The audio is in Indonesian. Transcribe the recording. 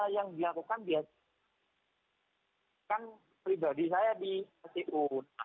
yang dilakukan biasanya kan pribadi saya di icu